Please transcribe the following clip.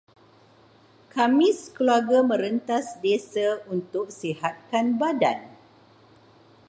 Kami sekeluarga merentas desa untuk sihatkan badan.